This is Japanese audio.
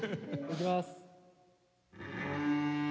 いきます。